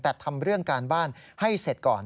แต่ทำเรื่องการบ้านให้เสร็จก่อน